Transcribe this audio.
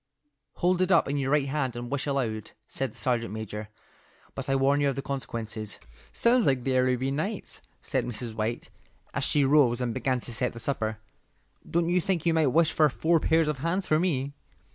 "Hold it up in your right hand and wish aloud," said the sergeant major, "but I warn you of the consequences." "Sounds like the Arabian Nights," said Mrs. White, as she rose and began to set the supper. "Don't you think you might wish for four pairs of hands for me?"